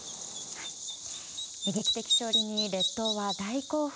劇的勝利に列島は大興奮。